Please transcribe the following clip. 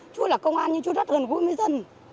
chú là công an nhưng chú rất gần gũi với dân